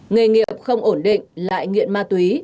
nghề nghiệp không ổn định lại nghiện ma túy